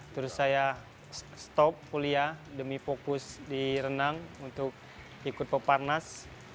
terus saya stop kuliah demi fokus di renang untuk ikut peparnas